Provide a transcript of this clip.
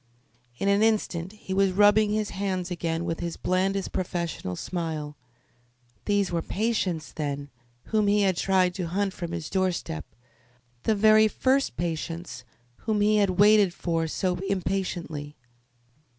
In an instant he was rubbing his hands again with his blandest professional smile. These were patients, then, whom he had tried to hunt from his doorstep the very first patients, whom he had waited for so impatiently.